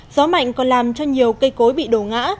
gió mạnh còn làm cho nhiều cây cối bị đổ ngã